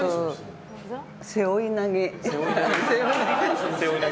背負い投げ。